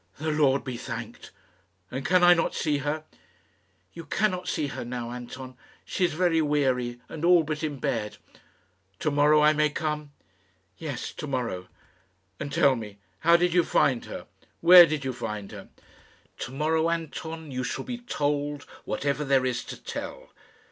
"The Lord be thanked! And can I not see her?" "You cannot see her now, Anton. She is very weary, and all but in bed." "To morrow I may come?" "Yes, to morrow." "And, tell me, how did you find her? Where did you find her?" "To morrow Anton, you shall be told whatever there is to tell.